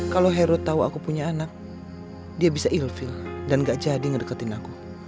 kalau herod tahu aku punya anak dia bisa ilfil dan gak jadi ngedeketin aku